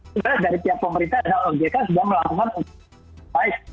sebenarnya dari pihak pemerintah dan ojk sudah melakukan usaha